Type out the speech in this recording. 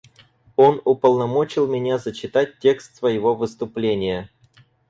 Он уполномочил меня зачитать текст своего выступления.